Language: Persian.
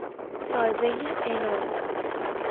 سازهی n ام